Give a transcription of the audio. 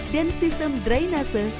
dan sistem drainase